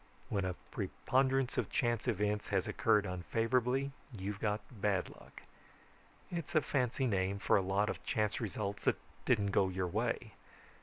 When a preponderance of chance events has occurred unfavorably, you've got bad luck. It's a fancy name for a lot of chance results that didn't go your way.